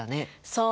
そう。